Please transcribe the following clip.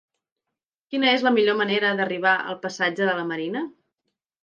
Quina és la millor manera d'arribar al passatge de la Marina?